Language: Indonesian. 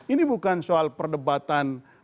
ini bukan soal perdebatan